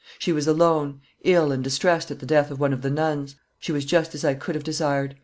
She was alone, ill and distressed at the death of one of the nuns; she was just as I could have desired.